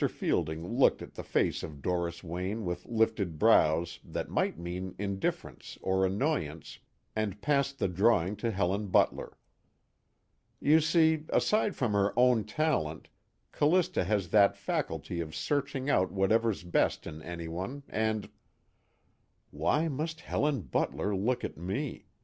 Fielding looked at the face of Doris Wayne with lifted brows that might mean indifference or annoyance, and passed the drawing to Helen Butler. "You see, aside from her own talent, Callista has that faculty of searching out whatever's best in anyone, and " _Why must Helen Butler look at me?